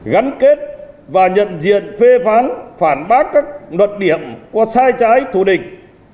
gắn kết và nhận diện phê phán phản bác các luật điểm qua sai trái thù địch